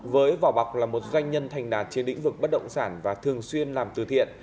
với vỏ bọc là một doanh nhân thành đạt trên lĩnh vực bất động sản và thường xuyên làm từ thiện